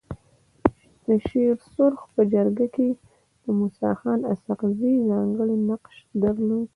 د شيرسرخ په جرګه کي موسي خان اسحق زي ځانګړی نقش درلود.